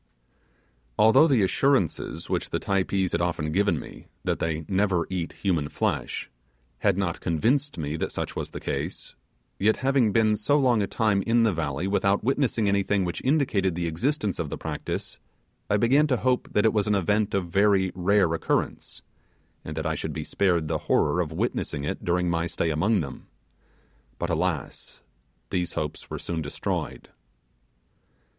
Although the assurances which the Typees had often given me, that they never eat human flesh, had not convinced me that such was the case, yet, having been so long a time in the valley without witnessing anything which indicated the existence of the practice, I began to hope that it was an event of very rare occurrence, and that I should be spared the horror of witnessing it during my stay among them: but, alas, these hopes were soon destroyed.